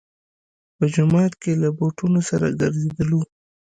په جومات کې له بوټونو سره ګرځېدلو.